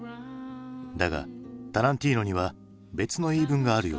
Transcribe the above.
だがタランティーノには別の言い分があるようだ。